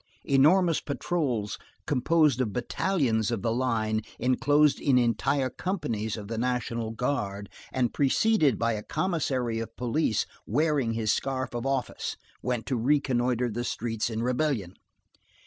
Enormous patrols, composed of battalions of the Line, enclosed in entire companies of the National Guard, and preceded by a commissary of police wearing his scarf of office, went to reconnoitre the streets in rebellion.